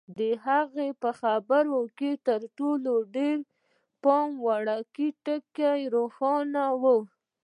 د هغه په خبرو کې تر ټولو ډېر د پام وړ ټکی روښانه و.